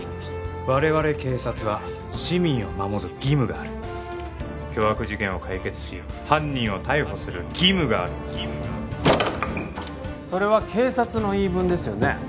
我々警察は市民を守る義務がある凶悪事件を解決し犯人を逮捕する義務があるんだそれは警察の言い分ですよね